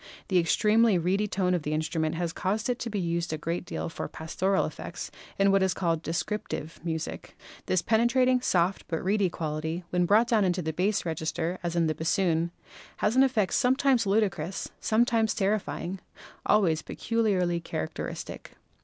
The extremely reedy tone of this instrument has caused it to be used a great deal for pastoral effects in what is called "descrip tive" music. This penetrating, soft, but reedy quality, when brought down into the bass register as in the bas soon, has an effect sometimes ludicrous, sometimes terrify ing, always peculiarly characteristic.